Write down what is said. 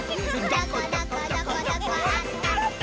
「どこどこどこどこあったった」